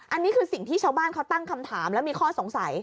อันนี้คือสิ่งที่ชาวบ้านเขาตั้งคำถามแล้วมีข้อสงสัย